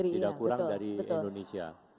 tidak kurang dari indonesia